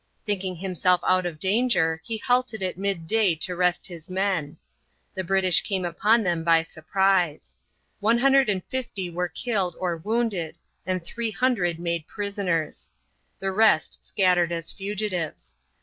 Thinking himself out of danger he halted at midday to rest his men. The British came upon them by surprise. One hundred and fifty were killed or wounded and 300 made prisoners. The rest scattered as fugitives.